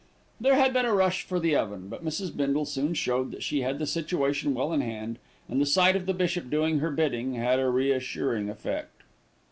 There had been a rush for the oven; but Mrs. Bindle soon showed that she had the situation well in hand, and the sight of the bishop doing her bidding had a reassuring effect.